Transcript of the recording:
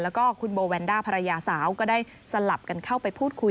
แล้วก็คุณโบแวนด้าภรรยาสาวก็ได้สลับกันเข้าไปพูดคุย